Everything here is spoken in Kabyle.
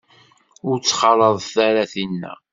Ur ttxalaḍet ara tinna.